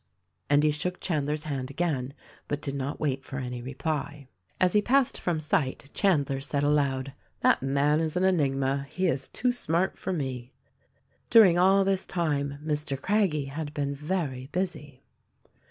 And he shook Chandler's hand again, but did not wait for any reply. 206 THE RECORDING ANGEL As he passed from sight Chandler said aloud, "That, man is an enigma : he is too smart for me." During all this time Mr. Craggie had been very busy.